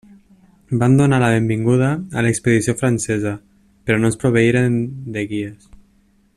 Van donar la benvinguda a l'expedició francesa, però no els proveïren de guies.